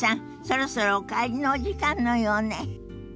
そろそろお帰りのお時間のようね。